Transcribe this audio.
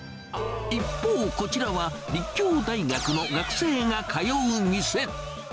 一方、こちらは立教大学の学生が通う店。